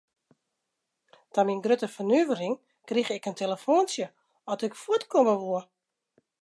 Ta myn grutte fernuvering krige ik in telefoantsje oft ik fuort komme woe.